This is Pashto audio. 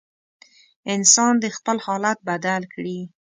انسان دې خپل حالت بدل کړي.